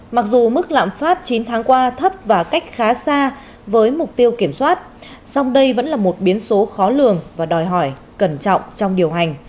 mặc dù mức lạm phát chín tháng qua thấp và cách khá xa với mục tiêu kiểm soát song đây vẫn là một biến số khó lường và đòi hỏi cẩn trọng trong điều hành